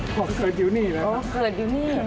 เผื่อเขิดอยู่นี่โอ้เคย